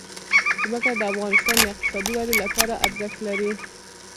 ځمکه د افغانستان د اقتصادي ودې لپاره ارزښت لري.